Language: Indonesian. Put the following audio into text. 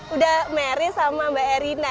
udah mary sama mbak erina